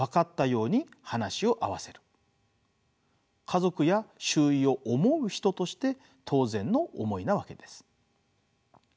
家族や周囲を思う人として当然の思いなわけです。